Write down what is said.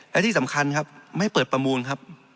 และที่สำคัญครับไม่เปิดประมูลครับ